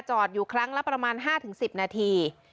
จอดอยู่ครั้งละประมาณ๕๑๐นาที